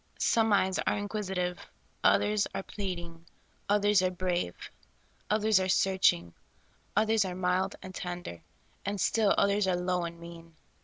Some eyes are inquisitive ; others are pleading ; others are brave ; others are searching ; others are mild and tender ; and still others are low and mean.